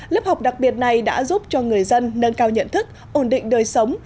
lớp học đặc biệt này đã giúp cho người dân nâng cao nhận thức ổn định đời sống